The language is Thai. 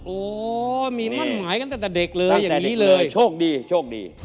โอ้มีมั่นหมายตั้งแต่เด็กเลยอย่างนี้เลยตั้งแต่เด็กเลยโชคดีโชคดี